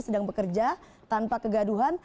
sedang bekerja tanpa kegaduhan